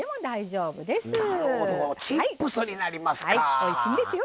おいしいんですよ